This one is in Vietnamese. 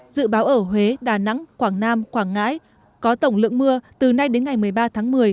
dự báo ở huế đà nẵng quảng nam quảng ngãi có tổng lượng mưa từ nay đến ngày một mươi ba tháng một mươi